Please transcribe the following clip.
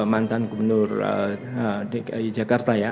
mantan gubernur dki jakarta ya